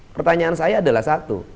pertanyaan saya adalah satu